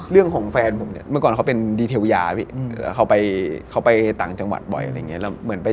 แล้วเขาก็เอากระเป๋าวางไว้ให้